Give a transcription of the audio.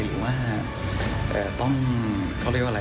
หรือว่าต้องเขาเรียกว่าอะไร